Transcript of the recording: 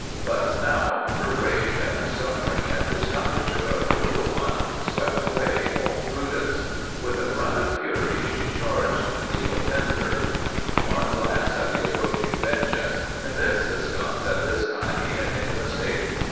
But now her rage at the suffering and discomfiture of her little one swept away all prudence. With a grunt of fury she charged at the offender. One glance at the approaching vengeance convinced the skunk that this time he had made a mistake.